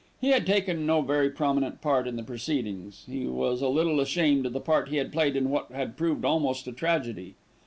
He had taken no very prominent part in the proceedings he was a little ashamed of the part he had played in what had proved almost a tragedy.